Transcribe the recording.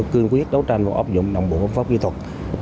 cương quyết đấu tranh và ấp dụng đồng bộ pháp viên thuật